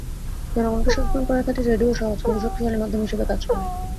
জনগণকে সচেতন করার ক্ষেত্রে রেডিও সহজ, কিন্তু শক্তিশালী মাধ্যম হিসেবে কাজ করে।